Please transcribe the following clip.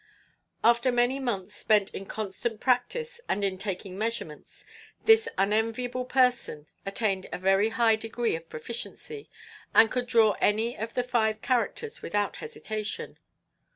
After many months spent in constant practice and in taking measurements, this unenviable person attained a very high degree of proficiency, and could draw any of the five characters without hesitation.